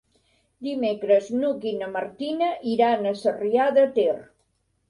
Dimecres n'Hug i na Martina iran a Sarrià de Ter.